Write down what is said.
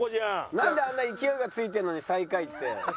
なんであんな勢いがついてるのに最下位って。